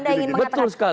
anda ingin mengatakan